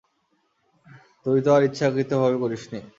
তুই তো আর ইচ্ছাকৃতভাবে করিসনি।